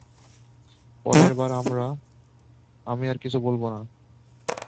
পরের বার আমরা —- আমি আর কিছু বলব না।